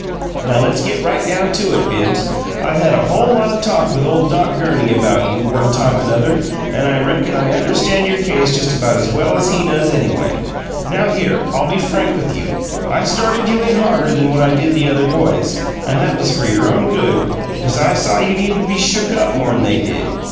Now, let's get right down to it, Bibbs. I've had a whole lot o' talk with ole Doc Gurney about you, one time another, and I reckon I understand your case just about as well as he does, anyway! Now here, I'll be frank with you. I started you in harder than what I did the other boys, and that was for your own good, because I saw you needed to be shook up more'n they did.